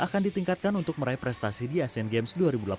akan ditingkatkan untuk meraih prestasi di asian games dua ribu delapan belas